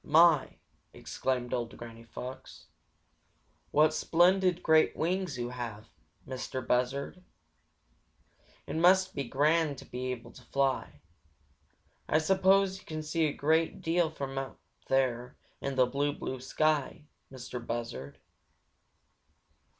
"My!" exclaimed old Granny Fox, "what splendid great wings you have, Mistah Buzzard! It must be grand to be able to fly. I suppose you can see a great deal from way up there in the blue, blue sky, Mistah Buzzard."